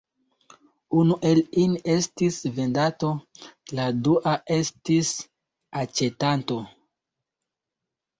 Unu el ili estis vendanto, la dua estis aĉetanto.